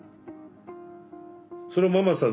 それはママさん